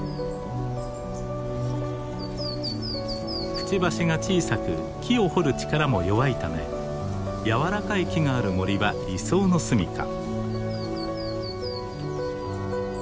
クチバシが小さく木を掘る力も弱いため柔らかい木がある森は理想の住みか。